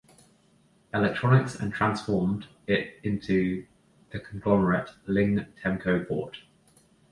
Electronics and transformed it into the conglomerate Ling-Temco-Vought.